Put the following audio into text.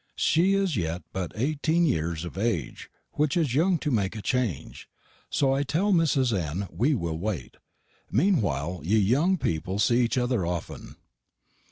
She is yett but ayteen yeres of age, wich is young to make a change; so I tell Mrs. N. we will waite. Meanwhile ye young peapel see eche other offen."